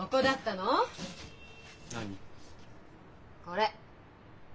これ。